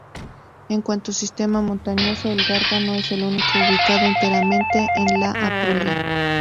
En cuanto sistema montañoso, el Gargano es el único ubicado enteramente en la Apulia.